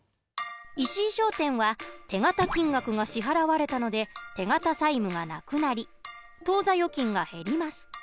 石井商店は手形金額が支払われたので手形債務がなくなり当座預金が減ります。